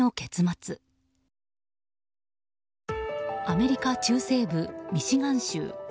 アメリカ中西部ミシガン州。